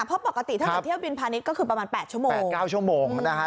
เพราะปกติถ้าเที่ยวบินพาณิชย์ก็คือประมาณ๘๙ชั่วโมงนะครับ